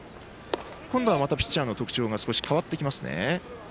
今度はまたピッチャーの特徴が変わってきますね。